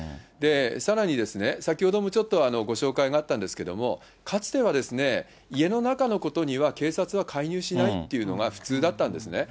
さらに先ほどもちょっとご紹介があったんですけれども、かつては家の中のことには警察は介入しないっていうのが普通だったんですね。